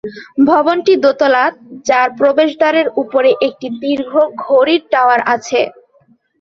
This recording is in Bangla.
ভবনটি দোতলা যার প্রবেশদ্বারের উপরে একটি দীর্ঘ ঘড়ির টাওয়ার আছে।